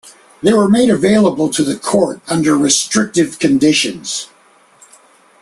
They were made available to the court under restrictive conditions.